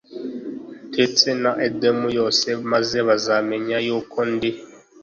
ndetse na Edomu yose maze bazamenye yuko ndi